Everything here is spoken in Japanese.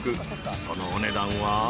［そのお値段は］